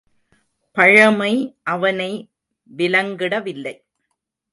பழமை அவனை விலங்கிடவில்லை.